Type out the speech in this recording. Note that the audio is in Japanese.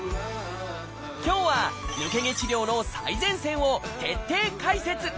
今日は抜け毛治療の最前線を徹底解説！